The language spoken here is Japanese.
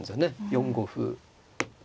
４五歩。